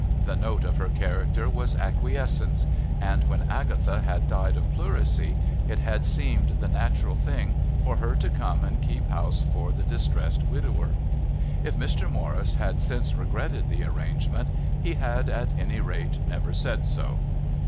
The note of her character was acquiescence, and when Agatha had died of pleurisy it had seemed the natural thing for her to come and keep house for the distressed widower. If Mr. Morris had since regretted the arrangement he had, at any rate, never said so.